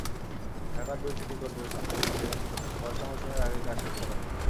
ঢাকার দুই city corporation বলছে, বর্ষা মৌসুমের আগেই কাজ শেষ করা হবে।